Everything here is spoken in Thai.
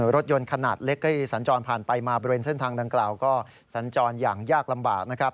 รถยนต์ขนาดเล็กให้สัญจรผ่านไปมาบริเวณเส้นทางดังกล่าวก็สัญจรอย่างยากลำบากนะครับ